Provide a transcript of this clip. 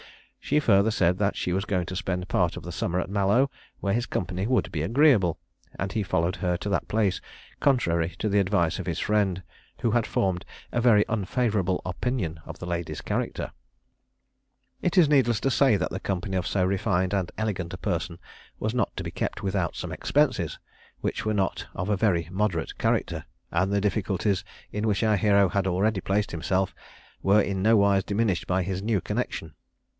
She further said that she was going to spend part of the summer at Mallow, where his company would be agreeable; and he followed her to that place, contrary to the advice of his friend, who had formed a very unfavourable opinion of the lady's character. It is needless to say that the company of so refined and elegant a person was not to be kept without some expenses, which were not of a very moderate character, and the difficulties in which our hero had already placed himself were in nowise diminished by his new connexion.